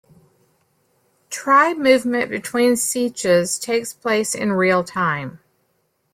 Tribe movement between sietches takes place in real-time.